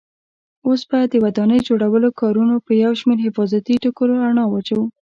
اوس به د ودانۍ جوړولو کارونو په یو شمېر حفاظتي ټکو رڼا واچوو.